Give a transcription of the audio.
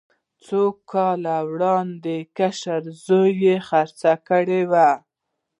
څو کاله وړاندې کشر زوی یې خرڅه کړې وه.